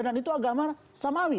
dan itu agama samawi